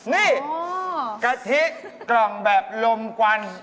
นี่กะทิกล่องแบบลมกวัน